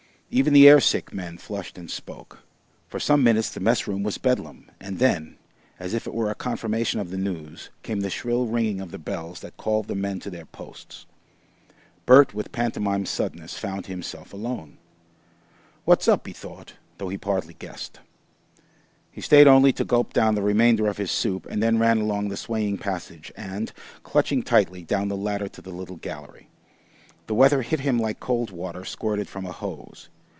Even the air sick men flushed and spoke. For some minutes the mess room was Bedlam, and then, as if it were a confirmation of the news, came the shrill ringing of the bells that called the men to their posts. Bert with pantomime suddenness found himself alone. "What's up?" he said, though he partly guessed. He stayed only to gulp down the remainder of his soup, and then ran along the swaying passage and, clutching tightly, down the ladder to the little gallery. The weather hit him like cold water squirted from a hose.